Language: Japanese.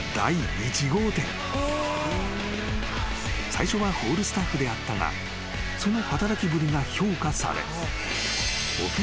［最初はホールスタッフであったがその働きぶりが評価され］